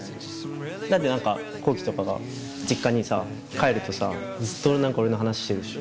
だって何か弘毅とかが実家に帰るとさずっと俺の話してるでしょ？